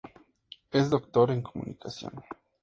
Es doctor en Comunicación.